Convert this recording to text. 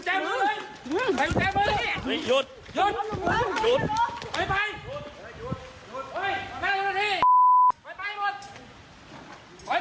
เบาไม่ไพล